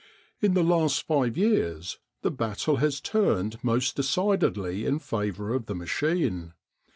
In the last five years the battle has turned most decidedly in favour of the machine.